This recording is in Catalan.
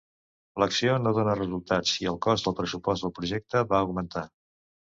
L'acció no donà resultats i el cost del pressupost del projecte va augmentar.